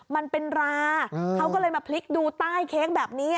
มันเป็นราเขาก็เลยมาพลิกดูใต้เค้กแบบนี้